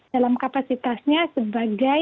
dalam kapasitasnya sebagai